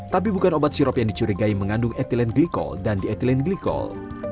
tapi bukan obat sirup yang dicurigai mengandung etilen glikol dan dietilen glikol